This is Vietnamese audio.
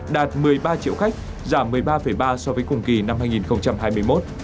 đạt một mươi ba triệu khách giảm một mươi ba ba so với cùng kỳ năm hai nghìn hai mươi một